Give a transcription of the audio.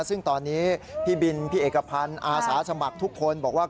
ซึ่งตอนนี้พี่บินพี่เอกพันธ์อาสาสมัครทุกคนบอกว่า